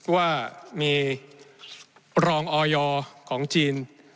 ว่ามีรองออยของจีน